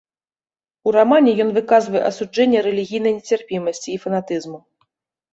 У рамане ён выказвае асуджэнне рэлігійнай нецярпімасці і фанатызму.